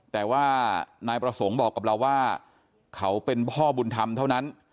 แต่ว่านายประสงค์บอกกับเราว่าเขาเป็นพ่อบุญธรรมเท่านั้น